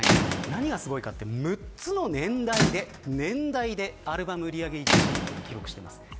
何がすごいかというと６つの年代でアルバム売り上げ１位を記録しています。